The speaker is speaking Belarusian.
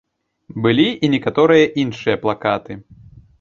Былі і некаторыя іншыя плакаты.